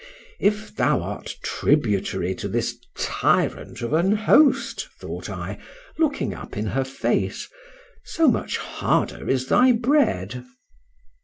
If thou art tributary to this tyrant of an host, thought I, looking up in her face, so much harder is thy bread.